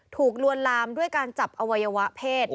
ลวนลามด้วยการจับอวัยวะเพศ